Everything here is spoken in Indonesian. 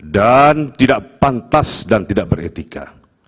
dan tidak pantas dan tidak beretika